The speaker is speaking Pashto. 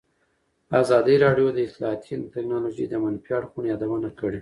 ازادي راډیو د اطلاعاتی تکنالوژي د منفي اړخونو یادونه کړې.